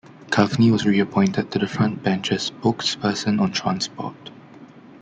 Coveney was re-appointed to the front bench as spokesperson on Transport.